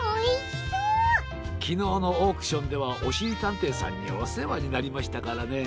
きのうのオークションではおしりたんていさんにおせわになりましたからね。